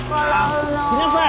来なさい。